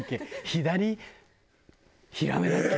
左ヒラメだっけ？